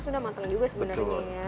sudah matang juga sebenarnya